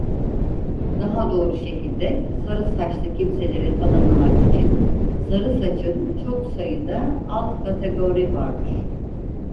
Daha doğru şekilde sarı saçlı kimseleri tanımlamak için sarı saçın çok sayıda alt kategori vardır.